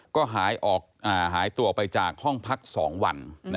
ก็หายตัวไปจากห้องพัก๒วัน